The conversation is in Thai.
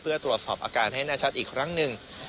เพื่อตรวจสอบอาการให้แน่ชัดอีกครั้งหนึ่ง